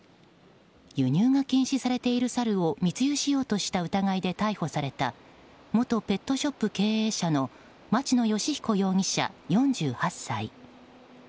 輸入が禁止されているサルを密輸しようとした疑いで逮捕された元ペットショップ経営者の町野義彦容疑者、４８歳。